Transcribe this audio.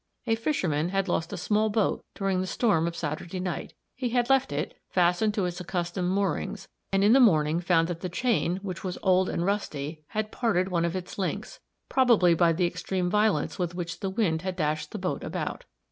A fisherman had lost a small boat during the storm of Saturday night. He had left it, fastened to its accustomed moorings, and, in the morning, found that the chain, which was old and rusty, had parted one of its links, probably by the extreme violence with which the wind had dashed the boat about.